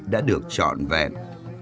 đã được trọn vẹn